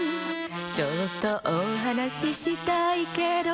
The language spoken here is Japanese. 「ちょっとおはなししたいけど」